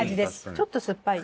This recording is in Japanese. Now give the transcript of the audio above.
ちょっと酸っぱい。